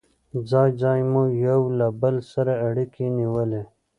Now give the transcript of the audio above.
ځای ځای مو یو له بل سره اړيکې نیولې.